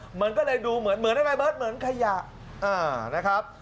เหมือนก็เลยดูเหมือนเหมือนอะไรเบิร์ตเหมือนขยะอ่านะครับ